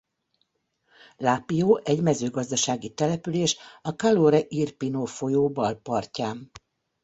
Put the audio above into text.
Lapio egy mezőgazdasági település a Calore Irpino folyó bal partján.